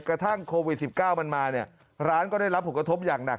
กระทั่งโควิด๑๙มันมาเนี่ยร้านก็ได้รับผลกระทบอย่างหนัก